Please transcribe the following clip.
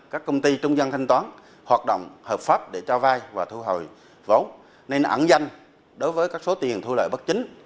các công ty trung dân thanh toán hoạt động hợp pháp để cho vai và thu hồi vốn nên ẩn danh đối với các số tiền thu lợi bất chính